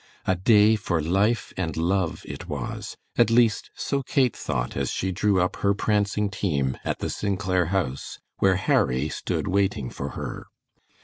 A day for life and love it was; at least so Kate thought as she drew up her prancing team at the St. Clair house where Harry stood waiting for her.